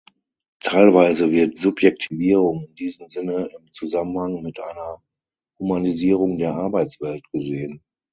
Teilweise wird Subjektivierung in diesem Sinne im Zusammenhang mit einer „Humanisierung der Arbeitswelt“ gesehen.